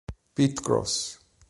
Pete Cross